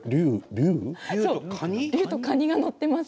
竜とカニが載ってます。